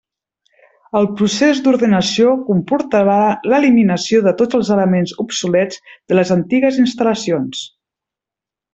El procés d'ordenació comportarà l'eliminació de tots els elements obsolets de les antigues instal·lacions.